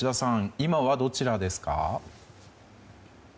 今はどちらですか？